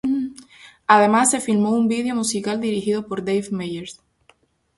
Además, se filmó un vídeo musical dirigido por Dave Meyers.